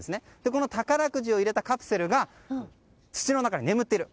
この宝くじを入れたカプセルが土の中に眠っている。